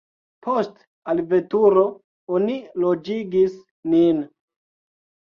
Post alveturo oni loĝigis nin.